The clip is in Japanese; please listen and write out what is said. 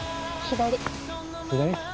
左？